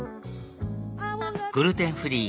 グルテンフリー